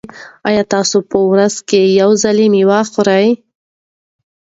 ایا تاسي په ورځ کې یو ځل مېوه خورئ؟